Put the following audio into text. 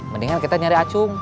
mendingan kita nyari acung